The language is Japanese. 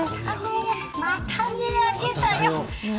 また値上げだよ。